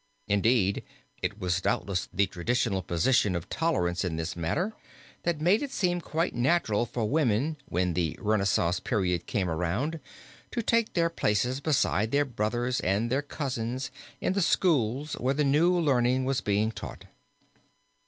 Indeed it was doubtless the traditional position of tolerance in this matter that made it seem quite natural for women, when the Renaissance period came around, to take their places beside their brothers and their cousins in the schools where the new learning was being taught.